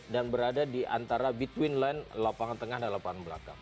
dan berada di antara between line lapangan tengah dan lapangan belakang